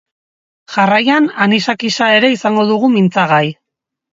Jarraian, anisakisa ere izango dugu mintzagai.